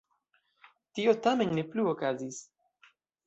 Tio tamen ne plu okazis.